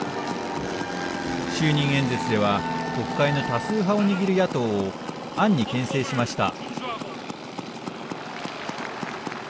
就任演説では国会の多数派を握る野党を暗にけん制しました。